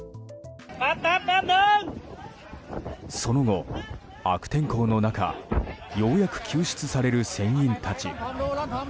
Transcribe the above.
その後、悪天候の中ようやく救出される船員たち。